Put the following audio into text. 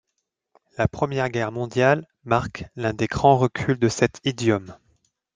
La première guerre mondiale marque l'un des grands reculs de cet idiome.